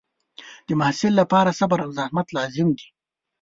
د محصل لپاره صبر او زحمت لازم دی.